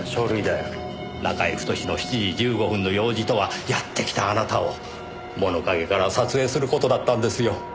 中居太の７時１５分の用事とはやってきたあなたを物陰から撮影する事だったんですよ。